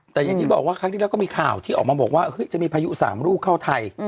แต่อย่างที่บอกว่าครั้งที่แล้วก็มีข่าวที่ออกมาบอกว่าจะมีพายุ๓ลูกเข้าไทย